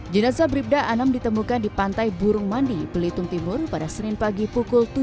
jenazah bribda anam ditemukan di pantai burung mandi belitung timur pada senin pagi pukul tujuh